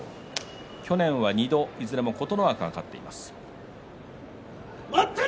去年は２度いずれも琴ノ若が勝っています。